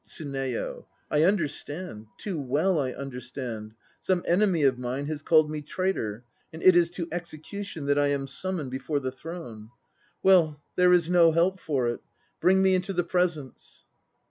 TSUNEYO. I understand; too well I understand. Some enemy of mine has called me traitor, and it is to execution that I am summoned before the Throne. Well, there is no help for it. Bring me into the Presence.